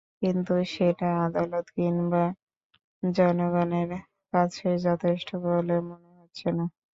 কিন্তু সেটা আদালত কিংবা জনগণের কাছে যথেষ্ট বলে মনে হচ্ছে না।